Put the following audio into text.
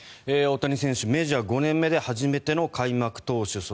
大谷選手メジャー５年目で初めての開幕投手